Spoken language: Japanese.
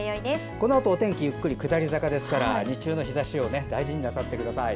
このあとお天気ゆっくり下り坂ですから日中の日ざしを大事になさってください。